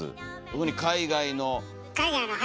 特に海外の。